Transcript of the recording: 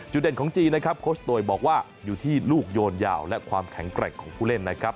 เด่นของจีนนะครับโคชโตยบอกว่าอยู่ที่ลูกโยนยาวและความแข็งแกร่งของผู้เล่นนะครับ